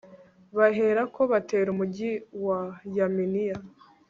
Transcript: baherako batera umugi wa yaminiya